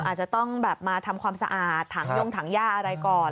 อาจจะต้องแบบมาทำความสะอาดถังย่งถังย่าอะไรก่อน